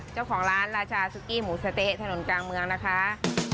เจ้าของร้านราชาซุกี้หมูสะเต๊ะถนนกลางเมืองนะคะ